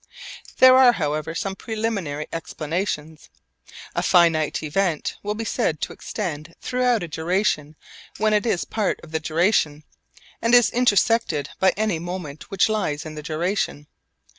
There are however some preliminary explanations. A finite event will be said to extend throughout a duration when it is part of the duration and is intersected by any moment which lies in the duration.